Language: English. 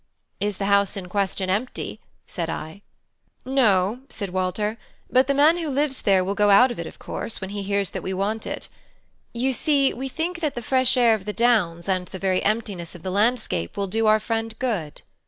"Is the house in question empty?" said I. "No," said Walter, "but the man who lives there will go out of it, of course, when he hears that we want it. You see, we think that the fresh air of the downs and the very emptiness of the landscape will do our friend good."